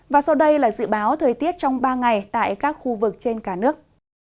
và sau đây là dự báo thời tiết trong ba ngày tại các khu vực trên cả nước